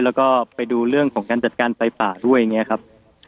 แล้วก็ไปดูเรื่องของการจัดการไฟป่าด้วยอย่างนี้ครับ